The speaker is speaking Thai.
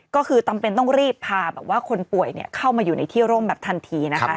ก็คือต้องรีบพาคนป่วยเข้ามาอยู่ในที่ร่มแบบทันที